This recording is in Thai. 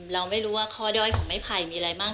เราไม่รู้ว่าข้อด้อยของไม้ไผ่มีอะไรบ้าง